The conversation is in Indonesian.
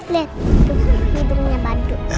lihat hidungnya badut